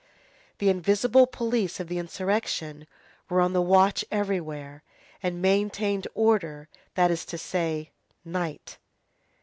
The invisible police of the insurrection were on the watch everywhere, and maintained order, that is to say, night.